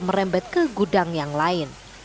merembet ke gudang yang lain